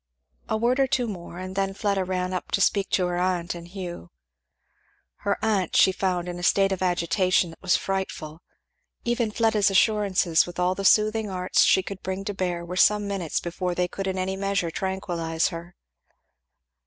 A word or two more, and then Fleda ran up to speak to her aunt and Hugh. Her aunt she found in a state of agitation that was frightful. Even Fleda's assurances, with all the soothing arts she could bring to bear were some minutes before they could in any measure tranquillize her.